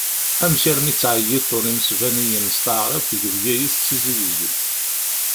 Amek armi ttɛeyyiḍen imesbaniyen s taɛrabt deg Bgayet d Tizi Wezzu?